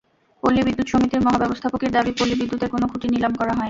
পল্লী বিদ্যুৎ সমিতির মহাব্যবস্থাপকের দাবি, পল্লী বিদ্যুতের কোনো খুঁটি নিলাম করা হয়নি।